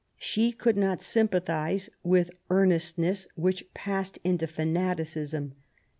She could not sympathise with earnestness which passed into fanaticism.